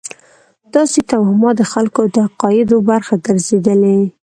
داسې توهمات د خلکو د عقایدو برخه ګرځېدلې.